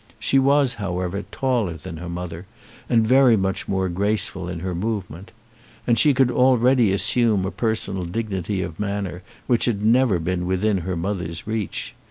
She was, however, taller than her mother, and very much more graceful in her movement. And she could already assume a personal dignity of manner which had never been within her mother's reach.